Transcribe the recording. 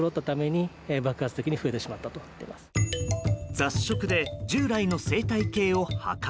雑食で従来の生態系を破壊。